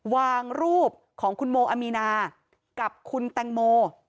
วางรูปของคุณโมอามีนากับคุณแตงโม